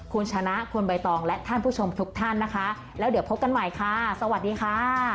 คุณชนะคุณใบตองและท่านผู้ชมทุกท่านนะคะแล้วเดี๋ยวพบกันใหม่ค่ะสวัสดีค่ะ